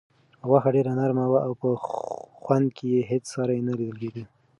غوښه ډېره نرمه وه او په خوند کې یې هیڅ ساری نه لیدل کېده.